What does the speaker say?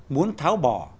muốn tháo bỏ